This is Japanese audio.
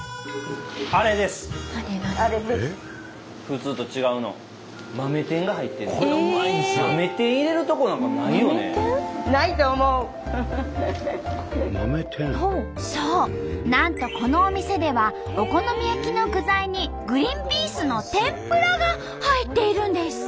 普通と違うのそうなんとこのお店ではお好み焼きの具材にグリーンピースの天ぷらが入っているんです。